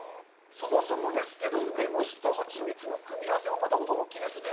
そもそもですけど、梅干しとハチミツの組み合わせもまた驚きですね。